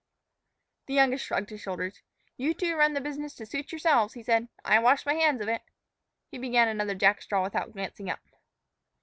The youngest shrugged his shoulders. "You two run the business to suit yourselves," he said; "I wash my hands of it." He began another jackstraw without glancing up.